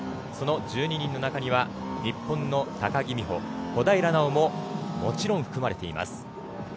その１２人の中には日本の高木美帆小平奈緒ももちろん含まれています。